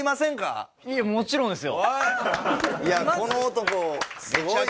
いやこの男すごい。